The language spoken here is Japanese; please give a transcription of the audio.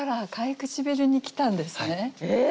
え！